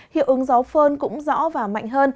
hiệu ứng gió phơn cũng rõ và mạnh